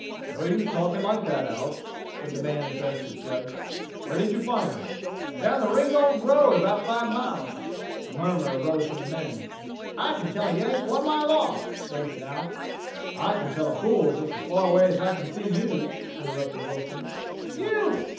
"No use talkin' like that, Alf," said the man addressed as Judge. "Where did you find them?" "Down the Ringgold road about five miles." A murmur arose from the men. "I can tell a Yank one mile off," boasted Alf. "I can tell a fool just as far away as I can see you," interrupted Wilson. "You...."